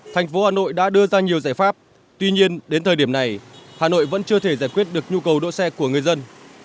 thành phố hà nội đã đưa ra nhiều giải pháp tuy nhiên đến thời điểm này hà nội vẫn chưa thể giải quyết được nhu cầu đỗ xe của người dân